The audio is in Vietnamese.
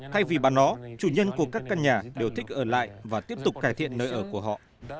thay vì bàn nó chủ nhân của các căn nhà đều thích ở lại và tiếp tục cải thiện nơi ở của họ